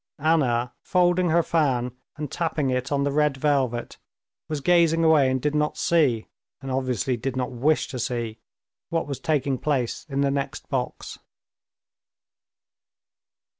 Anna, folding her fan and tapping it on the red velvet, was gazing away and did not see, and obviously did not wish to see, what was taking place in the next box.